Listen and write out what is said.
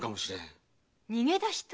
逃げ出した？